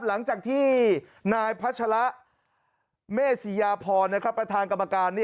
หลังจากที่นายพัชระเมษิยาพรประธานกรรมการ